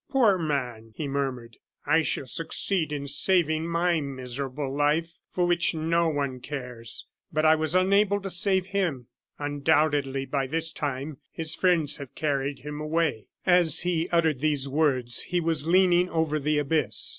"Poor man!" he murmured. "I shall succeed in saving my miserable life, for which no one cares, but I was unable to save him. Undoubtedly, by this time his friends have carried him away." As he uttered these words he was leaning over the abyss.